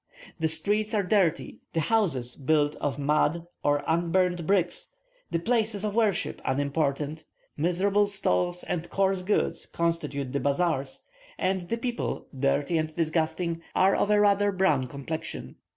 The streets are dirty, the houses built of mud or unburnt bricks, the places of worship unimportant, miserable stalls and coarse goods constitute the bazaars, and the people, dirty and disgusting, are of a rather brown complexion.